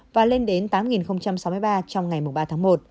và lên đến tám sáu mươi ba trong ngày ba tháng một